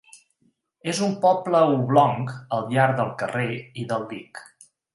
És un poble oblong al llarg del carrer i del dic.